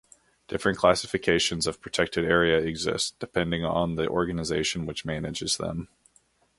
Different classifications of protected area exist, depending on the organization which manages them.